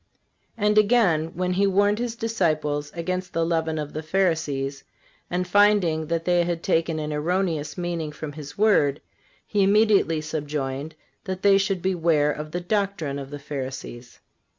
(370) And again, when he warned His disciples against the leaven of the Pharisees, and finding that they had taken an erroneous meaning from His word, He immediately subjoined that they should beware of the doctrine of the Pharisees.